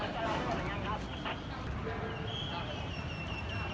อันที่สุดท้ายก็คือภาษาอันที่สุดท้าย